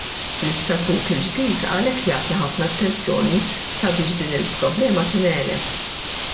L-istatut il-ġdid għalhekk jagħti ħafna attenzjoni sabiex din il-problema tingħeleb.